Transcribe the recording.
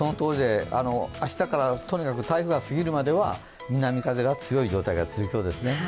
明日からとにかく台風が過ぎるまでは南風が強い状態が続きそうですね。